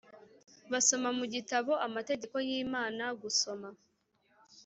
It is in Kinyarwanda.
Basoma mu gitabo amategeko y Imana gusoma